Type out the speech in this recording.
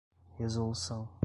resolução